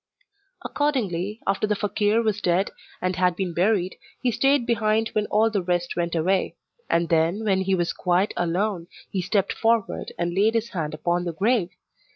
Accordingly, after the fakeer was dead, and had been buried, he stayed behind when all the rest went away; and then, when he was quite alone, he stepped forward, and laid his hand upon the grave!